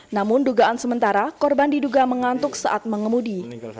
namun dugaan sementara korban diduga mengantuk saat mengemudi